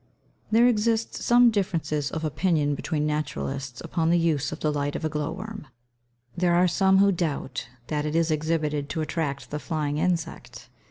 ] There exists some difference of opinion between naturalists upon the uses of the light of a glow worm; there are some who doubt that it is exhibited to attract the flying insect.